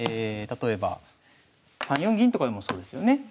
例えば３四銀とかでもそうですよね。